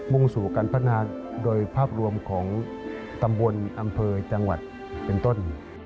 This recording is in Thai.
่งสู่การพัฒนาโดยภาพรวมของตำบลอำเภอจังหวัดเป็นต้น